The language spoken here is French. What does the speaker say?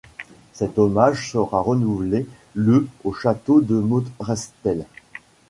Cet hommage sera renouvelé le au château de Morestel.